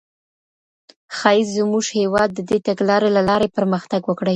ښايي زموږ هیواد د دې تګلاري له لاري پرمختګ وکړي.